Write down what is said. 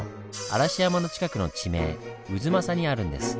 嵐山の近くの地名「太秦」にあるんです。